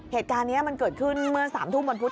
เหตุการณ์นี้มันเกิดขึ้นเมื่อ๓ทุ่มวันพุธ